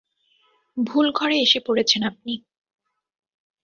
ভুল ঘরে এসে পড়েছেন আপনি।